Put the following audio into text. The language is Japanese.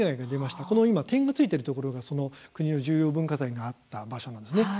今、点が付いているところがその国の重要文化財があった場所なんですね。